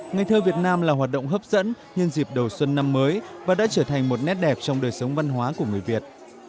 ngày thơ việt nam là hoạt động hấp dẫn nhân dịp đầu xuân năm mới và đã trở thành một nét đẹp trong đời sống văn hóa của người việt